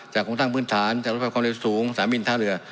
จากโครงสร้างพื้นฐานจากรูปรับความเร็วสูง๓มิลท้าเรือ